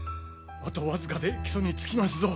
あと僅かで木曽に着きますぞ！